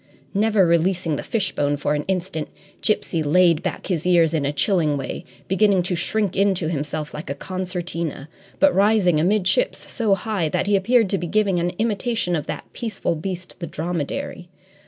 Never releasing the fishbone for an instant, Gipsy laid back his ears in a chilling way, beginning to shrink into himself like a concertina, but rising amidships so high that he appeared to be giving an imitation of that peaceful beast, the dromedary.